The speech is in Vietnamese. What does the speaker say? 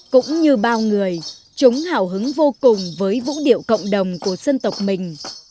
cũng như bao người chúng hào hứng vô cùng với vũ điệu cộng đồng của dân tộc mình